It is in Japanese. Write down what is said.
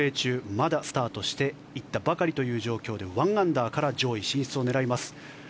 まだスタートしていったばかりという状況で１アンダーから上位進出を狙います。